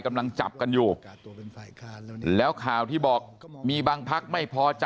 กำลังจับกันอยู่แล้วข่าวที่บอกมีบางพักไม่พอใจ